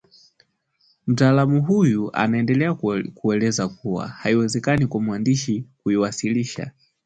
Mtaalamu huyu anaendelea kueleza kuwa haiwezekani kwa mwandishi kuiwasilisha